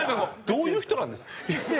どういう人なんですか？